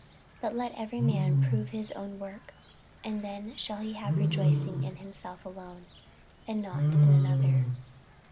48:006:004 But let every man prove his own work, and then shall he have rejoicing in himself alone, and not in another.